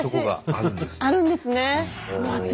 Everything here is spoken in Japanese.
あるんですね。